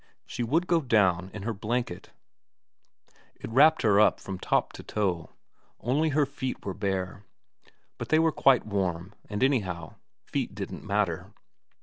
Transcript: She would go down in her blanket. It wrapped her up from top to toe. Only her feet were bare ; but they were quite warm, and anyhow feet didn't matter.